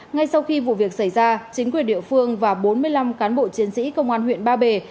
ngay sau khi vụ việc xảy ra chính quyền địa phương và bốn mươi năm cán bộ chiến sĩ công an huyện ba bể